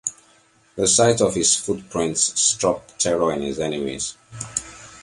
The sight of his footprints struck terror in his enemies.